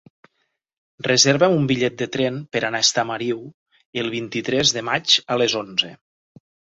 Reserva'm un bitllet de tren per anar a Estamariu el vint-i-tres de maig a les onze.